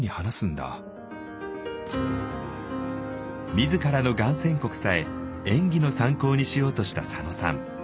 自らのがん宣告さえ演技の参考にしようとした佐野さん。